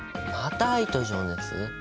また愛と情熱？